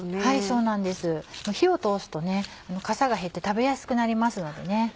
はいそうなんです火を通すとねかさが減って食べやすくなりますのでね。